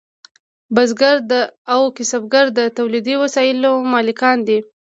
بزګر او کسبګر د تولیدي وسایلو مالکان دي.